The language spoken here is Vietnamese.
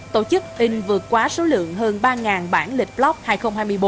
tổ chức in vượt quá số lượng hơn ba bản lịch block hai nghìn hai mươi bốn